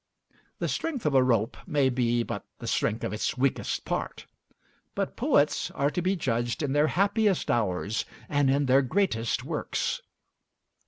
The strength of a rope may be but the strength of its weakest part; but poets are to be judged in their happiest hours, and in their greatest works.